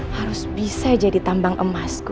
harus bisa jadi tambang emasku